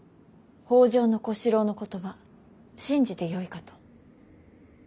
北条の小四郎の言葉信じてよいかと。